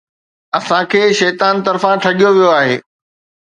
اسان کي شيطان طرفان ٺڳيو ويو آهي